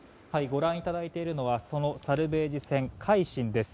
ご覧いただいているのはそのサルベージ船「海進」です。